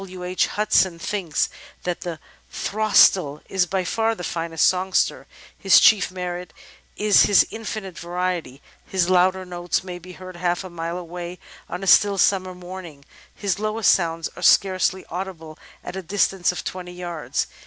W. H. Hudson thinks that "The Throstle is by far the finest songster. His chief merit is his infinite variety. His louder notes may be heard half a mile away on a still summer morning, his lowest sounds are scarcely audible at a distance of twenty yards.